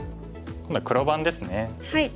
今度は黒番ですね。